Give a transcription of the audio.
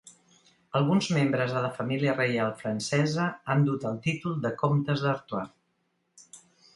Alguns membres de la família reial francesa han dut el títol de comtes d'Artois.